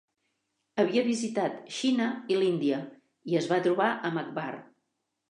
Havia visitat Xina i l'Índia, i es va trobar amb Akbar.